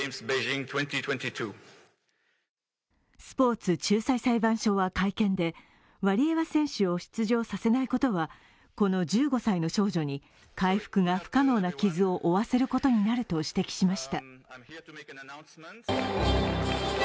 スポーツ仲裁裁判所は会見で、ワリエワ選手を出場させないことはこの１５歳の少女に回復が不可能な傷を負わせることになると指摘しました。